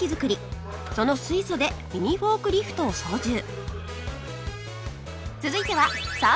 その水素でミニフォークリフトを操縦